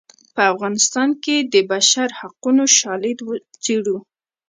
په افغانستان کې د بشر حقونو شالید څیړو.